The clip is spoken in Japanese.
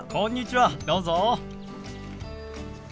どうぞ。